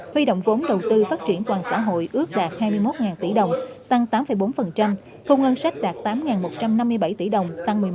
huy động vốn đầu tư phát triển toàn xã hội ước đạt hai mươi một tỷ đồng tăng tám bốn thu ngân sách đạt tám một trăm năm mươi bảy tỷ đồng